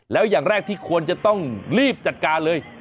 แล้วอย่างแรกที่ควรจะต้องรีบจัดการเลย